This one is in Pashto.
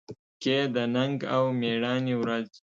کې د ننګ او مېړانې ورځ